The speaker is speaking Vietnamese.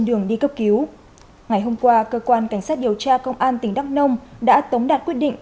đường đi cấp cứu ngày hôm qua cơ quan cảnh sát điều tra công an tỉnh đắk nông đã tống đạt quyết định